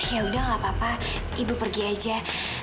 ya udah gak apa apa ibu pergi aja